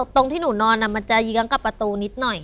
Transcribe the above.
ตรงที่หนูนอนมันจะเยื้องกับประตูนิดหน่อย